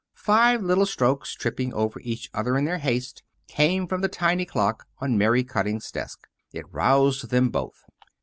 Five little strokes, tripping over each other in their haste, came from the tiny clock on Mary Cutting's desk. It roused them both.